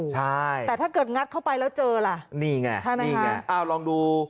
ใช่แต่ถ้าเกิดงัดเข้าไปแล้วเจอล่ะนี่ไงใช่นี่ไงอ้าวลองดู